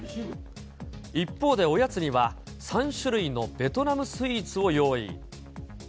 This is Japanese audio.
一方で、おやつには３種類のベトナムスイーツを用意。